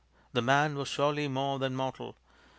" The man was surely more than mortal.